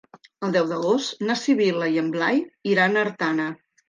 El deu d'agost na Sibil·la i en Blai iran a Artana.